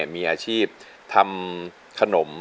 มีอาชีพทำขนม